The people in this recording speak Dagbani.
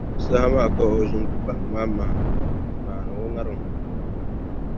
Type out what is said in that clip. Di saha maa ka o ʒini kpukpaliga maa mahim na m-maani o ŋariŋ bila.